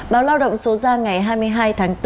báo lao động số ra ngày hai mươi hai tháng bốn